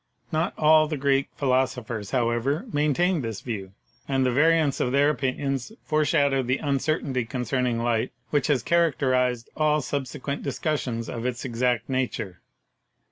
Not all the Greek philosophers, however, maintained this view, and the vari ance of their opinions foreshadowed the uncertainty con cerning light which has characterized all subsequent dis cussion of its exact nature.